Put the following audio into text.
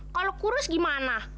kalau kurus gimana